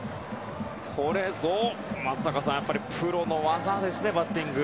これぞプロの技ですねバッティング。